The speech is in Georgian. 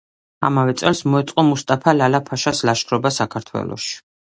ამავე წელს მოეწყო მუსტაფა ლალა-ფაშას ლაშქრობა საქართველოში.